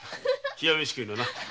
冷や飯食いのな。